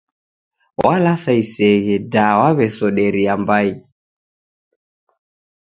Walasa iseghe, da wasoderia mbai.